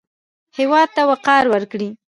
هېواد ته وقار ورکړئ